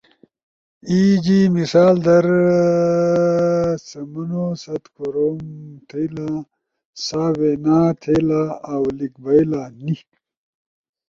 [ای جی۔ مثال در سمنو ست کوروم تھئیلا سا وینا تھئیلا اؤ لیک بئیلا نی ]